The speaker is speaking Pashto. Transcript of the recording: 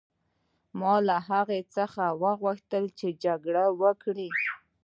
ما له هغه څخه وغوښتل چې جنګ وکړي.